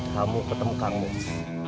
kamu ketemu kang bos